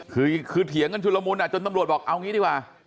คือเถียงกันชุดละมุนจนตำรวจบอกเอางี้ดีกว่า